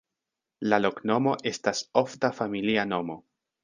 La loknomo estas ofta familia nomo.